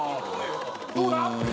どうだ？